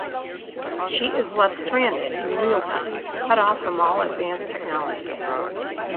She is left stranded in "realtime", cut off from all advanced technology.